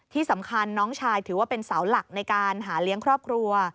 ที่สำคัญน้องชายถือว่าเป็นเสาหลักในการหาเลี้ยงครอบครัว